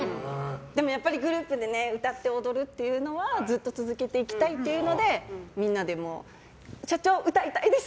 やっぱり、グループで歌って踊るというのはずっと続けていきたいというのでみんなで社長、歌いたいです！